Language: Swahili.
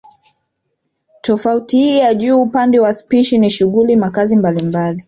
Tofauti hii ya juu upande wa spishi ni shughuli makazi mbalimbali